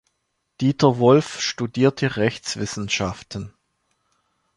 Dieter Wolf studierte Rechtswissenschaften.